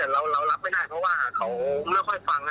แต่เรารับไม่ได้เพราะว่าเขาไม่ค่อยฟัง